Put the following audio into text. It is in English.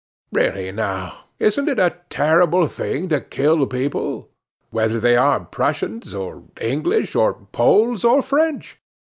Really, now, isn't it a terrible thing to kill people, whether they are Prussians, or English, or Poles, or French?